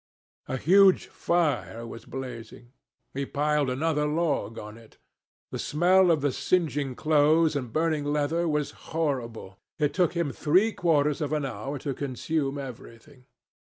A huge fire was blazing. He piled another log on it. The smell of the singeing clothes and burning leather was horrible. It took him three quarters of an hour to consume everything.